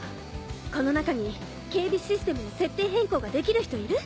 この中に警備システムの設定変更ができる人いる？